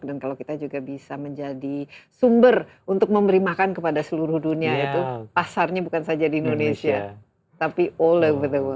dan kalau kita juga bisa menjadi sumber untuk memberi makan kepada seluruh dunia itu pasarnya bukan saja di indonesia tapi seluruh dunia